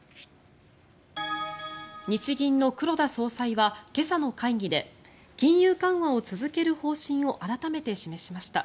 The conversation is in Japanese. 日銀の黒田総裁は今朝の会議で金融緩和を続ける方針を改めて示しました。